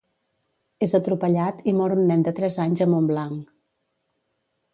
És atropellat i mor un nen de tres anys a Montblanc.